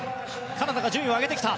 カナダが順位を上げてきた。